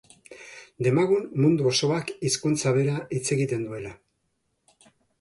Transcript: Demagun mundu osoak hizkuntza bera hitz egiten duela.